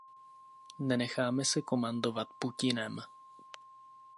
Nenecháme se komandovat Putinem.